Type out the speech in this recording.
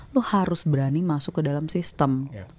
lo harus berani masuk ke dalam sistem